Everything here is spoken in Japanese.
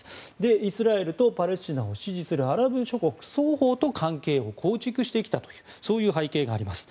イスラエルとパレスチナを支持するアラブ諸国双方と関係を構築してきたという背景があります。